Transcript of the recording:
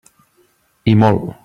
I molt.